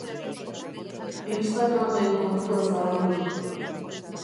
Instagramen kontua zabaldu du.